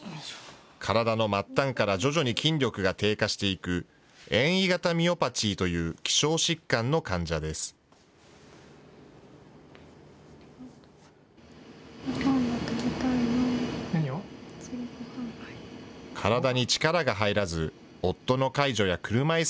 体の末端から徐々に筋力が低下していく、遠位型ミオパチーという希少疾患の患者です。